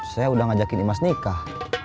saya udah ngajakin imas nikah